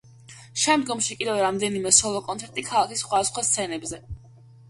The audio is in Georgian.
შემდგომში კიდევ რამდენიმე სოლო კონცერტი ქალაქის სხვადასხვა სცენებზე.